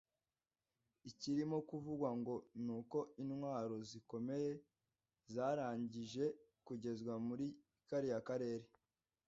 Ikirimo kuvugwa ngo ni uko intwaro zikomeye zarangije kugezwa muri kariya karere